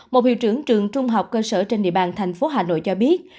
một hiệu trưởng trường trung học cơ sở trên địa bàn thành phố hà nội cho biết